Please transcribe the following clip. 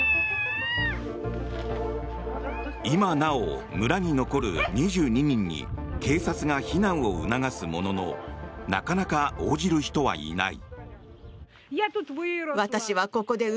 今なお村に残る２２人に警察が避難を促すもののなかなか応じる人はいない。